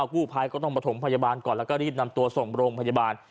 กู้ภัยก็ต้องประถมพยาบาลก่อนแล้วก็รีบนำตัวส่งโรงพยาบาล